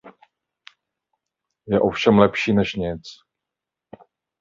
Je ovšem lepší než nic.